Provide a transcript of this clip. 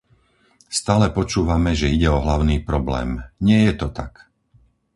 Stále počúvame, že ide o hlavný problém - nie je to tak!